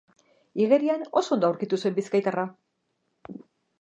Igerian oso ondo aurkitu zen bizkaitarra.